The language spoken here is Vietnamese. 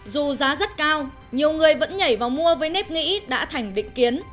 dù giá rất cao nhiều người vẫn nhảy vào mua với nếp nghĩ đã thành định kiến